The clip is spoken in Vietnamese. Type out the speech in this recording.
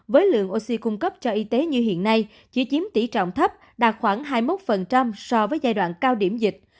với lượng oxy cung cấp cho y tế như hiện nay chỉ chiếm tỷ trọng thấp đạt khoảng hai mươi một so với giai đoạn cao điểm dịch